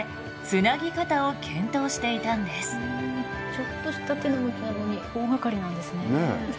ちょっとした手の向きなのに大がかりなんですね。